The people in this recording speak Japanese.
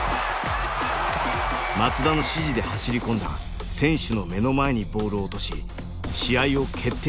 松田の指示で走り込んだ選手の目の前にボールを落とし試合を決定